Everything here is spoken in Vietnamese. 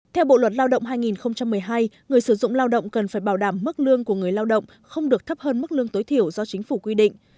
theo bộ luật lao động hai nghìn một mươi hai người sử dụng lao động cần phải bảo đảm mức lương của người lao động không được thấp hơn mức lương tối thiểu do chính phủ quy định